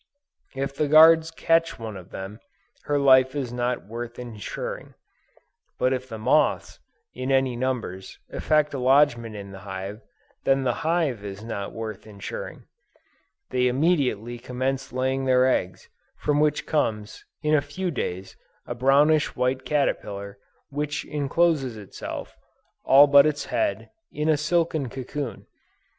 If the guards catch one of them, her life is not worth insuring. But if the moths, in any numbers, effect a lodgment in the hive, then the hive is not worth insuring. They immediately commence laying their eggs, from which comes, in a few days, a brownish white caterpillar, which encloses itself, all but its head, in a silken cocoon.